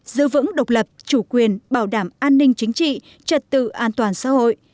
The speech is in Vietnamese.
giữ vững độc lập chủ quyền bảo đảm an ninh chính trị trật tự an toàn xã hội